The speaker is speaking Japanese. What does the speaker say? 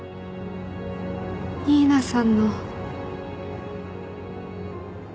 新名さんの。